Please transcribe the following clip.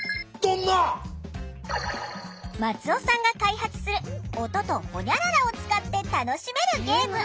松尾さんが開発する音とほにゃららを使って楽しめるゲーム。